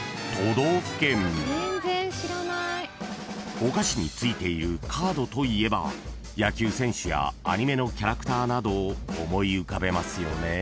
［お菓子に付いているカードといえば野球選手やアニメのキャラクターなどを思い浮かべますよね］